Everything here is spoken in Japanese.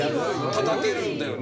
たたけるんだよね？